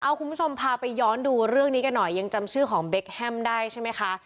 คุณผู้ชมพาไปย้อนดูเรื่องนี้กันหน่อยยังจำชื่อของเบคแฮมได้ใช่ไหมคะ